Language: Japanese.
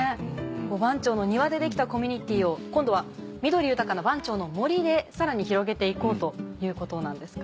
番町の庭で出来たコミュニティーを今度は緑豊かな番町の森でさらに広げて行こうということなんですか？